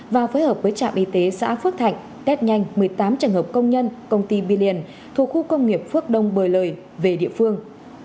và phối hợp với trạm y tế xã phước thạnh tết nhanh một mươi tám trường hợp công nhân công ty billion thuộc khu công nghiệp phước đông bời lời về địa phương